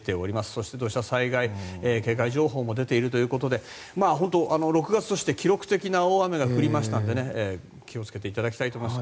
そして、土砂災害警戒情報も出ているということで本当、６月としては記録的な大雨が降りましたので気を付けていただきたいと思います。